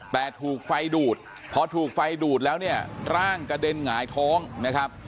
แต่ถูกไฟดูดพอถูกไฟดูดแล้วเนี่ยร่างกระเด็นหงายท้องนะครับ